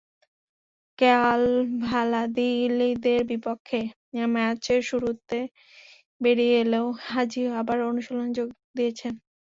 কাল ভ্যালাদোলিদের বিপক্ষে ম্যাচের শুরুতেই বেরিয়ে এলেও আজই আবার অনুশীলনে যোগ দিয়েছেন।